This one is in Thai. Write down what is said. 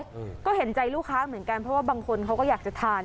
อืมก็เห็นใจลูกค้าเหมือนกันเพราะว่าบางคนเขาก็อยากจะทาน